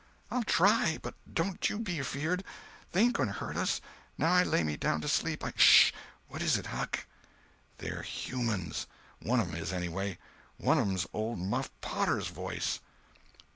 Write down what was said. "I'll try, but don't you be afeard. They ain't going to hurt us. 'Now I lay me down to sleep, I—'" "Sh!" "What is it, Huck?" "They're humans! One of 'em is, anyway. One of 'em's old Muff Potter's voice."